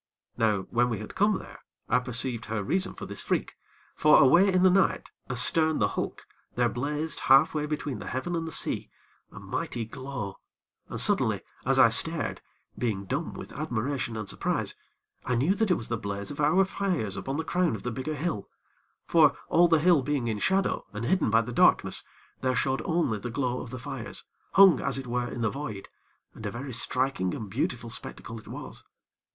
Now when we had come there, I perceived her reason for this freak; for away in the night, astern the hulk, there blazed half way between the heaven and the sea, a mighty glow, and suddenly, as I stared, being dumb with admiration and surprise, I knew that it was the blaze of our fires upon the crown of the bigger hill; for, all the hill being in shadow, and hidden by the darkness, there showed only the glow of the fires, hung, as it were, in the void, and a very striking and beautiful spectacle it was.